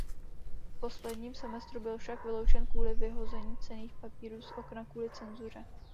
V posledním semestru byl však vyloučen kvůli vyhození cenných papírů z okna kvůli cenzuře.